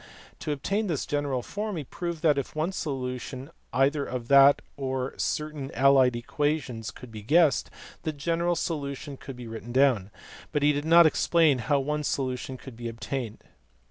To obtain this general form he proved that, if one solution either of that or of certain allied equations could be guessed, the general solution could be written down ; but he did not explain how one solution could be obtained.